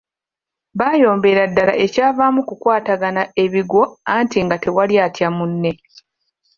Baayombera ddala ekyavaamu kukwatagana ebigwo anti nga tewali atya munne.